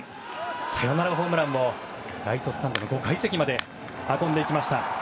サヨナラホームランをライトスタンド５階席まで運んでいきました。